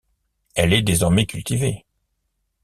Elle est désormais cultivée.